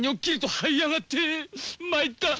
まいった！